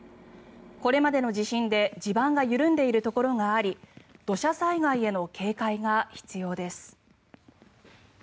これまでの地震で地盤が緩んでいるところがあり土砂災害への警戒が必要です。